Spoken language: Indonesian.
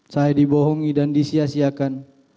saya dibohongi dan disiasiakan